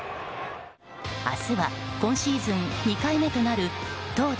明日は今シーズン２回目となる投打